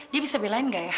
dia bisa belain nggak ya